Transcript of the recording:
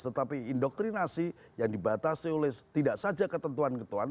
tetapi indoktrinasi yang dibatasi oleh tidak saja ketentuan ketentuan